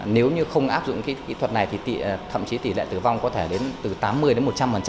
nếu như không áp dụng kỹ thuật này thì thậm chí tỷ lệ tử vong có thể đến từ tám mươi đến một trăm linh